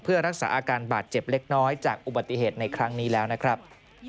เพื่อรักษาอาการบาดเจ็บเล็กน้อยจากอุบัติเหตุในครั้งนี้แล้วนะครับ